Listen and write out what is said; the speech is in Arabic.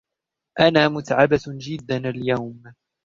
أنا متعبة جدا اليوم.